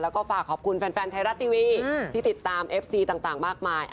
แล้วก็ฝากขอบคุณแฟนไทยรัฐทีวีที่ติดตามเอฟซีต่างมากมาย